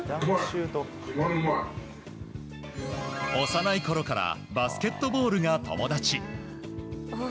幼いころからバスケットボールが友達。